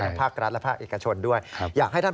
ทั้งภาครัฐและภาคเอกชนด้วย